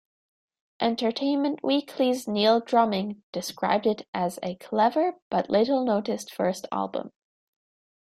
"Entertainment Weekly"'s Neil Drumming described it as "a clever but little-noticed first album".